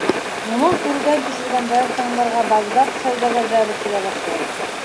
Уның күргән-кисергәндәрен тыңларға Бағдад сауҙагәрҙәре килә башлай.